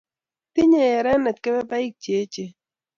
Tinyei erenet kebebaik che eechen